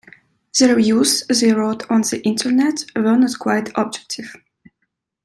The reviews they wrote on the Internet were not quite objective.